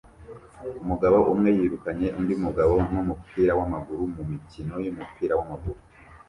Umugabo umwe yirukanye undi mugabo numupira wamaguru mumikino yumupira wamaguru